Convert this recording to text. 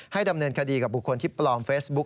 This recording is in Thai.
ดำเนินคดีกับบุคคลที่ปลอมเฟซบุ๊ค